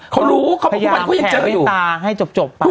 เขารู้พยายามแข่งให้จบไป